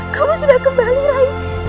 kamu sudah kembali rai